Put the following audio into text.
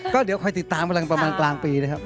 ก็เดี๋ยวคอยติดตามกำลังประมาณกลางปีนะครับ